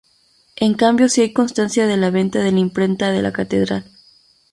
En cambio sí hay constancia de la venta de la imprenta de la catedral.